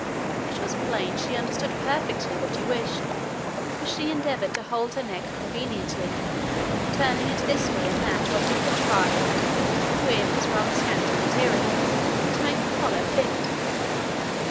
It was plain she understood perfectly what he wished, for she endeavoured to hold her neck conveniently, turning it this way and that while he contrived, with his rather scanty material, to make the collar fit.